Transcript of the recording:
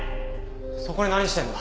そこで何してんだ？